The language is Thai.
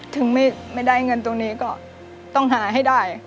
ถึงไม่ได้เงินตรงนี้ก็ต้องหาให้ได้